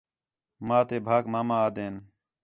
ماں تے بھاک ماما آہدے ہین